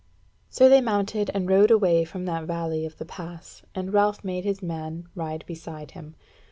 So they mounted and rode away from that valley of the pass, and Ralph made his man ride beside him.